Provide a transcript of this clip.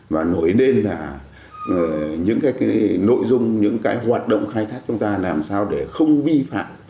và nổi lên những nội dung những hoạt động khai thác chúng ta làm sao để không vi phạm